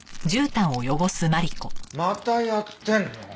またやってるの？